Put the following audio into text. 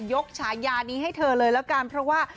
ฉายานี้ให้เธอเลยแล้วกันเพราะว่า